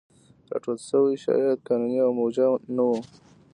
راټول شوي شواهد قانوني او موجه نه وو.